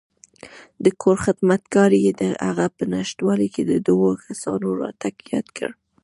د کور خدمتګار یې دهغه په نشتوالي کې د دوو کسانو راتګ یاد کړ.